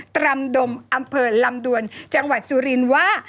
ตรำดมอำเภอลำดวนจังหวัดสุรินทร์ว่า